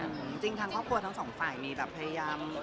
เรื่องทั้งครอบครัวทั้งสองฝ่ายมีแบบพย๔๕๐๐๐๓๐๐๔